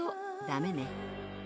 ダメね。